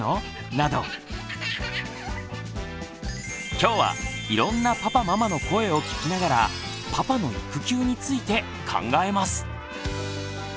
今日はいろんなパパママの声を聞きながら「パパの育休」について考えます！